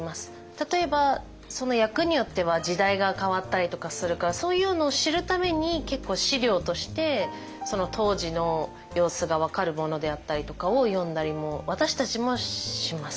例えばその役によっては時代が変わったりとかするからそういうのを知るために結構資料としてその当時の様子が分かるものであったりとかを読んだりも私たちもします。